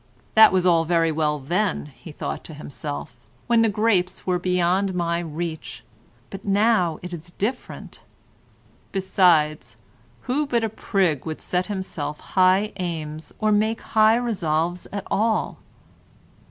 "That was all very well then," he thought to himself, "when the grapes were beyond my reach, but now it is different." Besides, who but a prig would set himself high aims, or make high resolves at all?